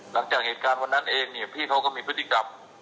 หลังจากเหตุการณ์วันนั้นเองเนี่ยพี่เขาก็มีพฤติกรรม